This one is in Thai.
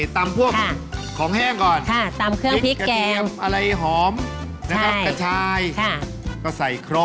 ตำพวกของแห้งก่อนค่ะตำเครื่องพริกแกงพริกกระเทียมอะไรหอมกระชายก็ใส่ครบ